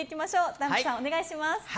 ダンプさん、お願いします。